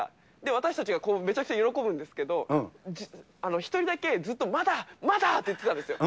私たちがめちゃくちゃ喜ぶんですけれども、１人だけ、ずっと、まだ、まだって言ってたんですよ。